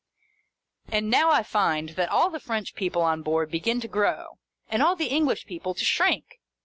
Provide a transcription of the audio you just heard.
And now I find that all the French people on board begin to grow, and all the English people to shrink.